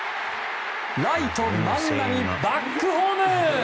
ライト万波、バックホーム！